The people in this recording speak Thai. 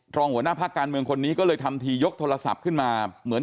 รองหัวหน้าพักการเมืองคนนี้ก็เลยทำทียกโทรศัพท์ขึ้นมาเหมือน